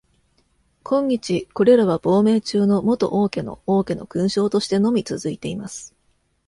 今日、これらは亡命中の元王家の王家の勲章としてのみ続いています。